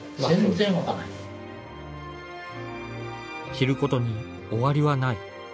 知ることに終わりはない。